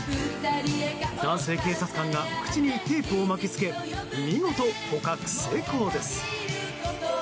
男性警察官が口にテープを巻き付け見事、捕獲成功です。